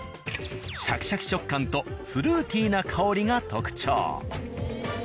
シャキシャキ食感とフルーティーな香りが特徴。